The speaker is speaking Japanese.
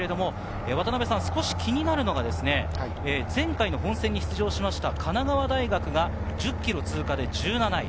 少し気になるのが、前回、本戦に出場した神奈川大学が１０ｋｍ通過で１７位。